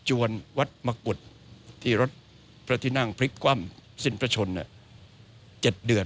วนวัดมะกุฎที่รถพระที่นั่งพลิกคว่ำสิ้นพระชน๗เดือน